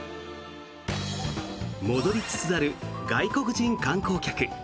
戻りつつある外国人観光客。